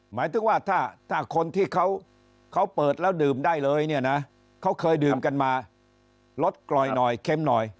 หมายถึงว่าถ้าคนที่เขาเปิดแล้วดื่มได้เลยเนี่ยนะเขาเคยดื่มกันมาลดกล่อยหน่อยเค็มหน่อย